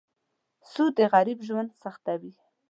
سود د غریب ژوند سختوي.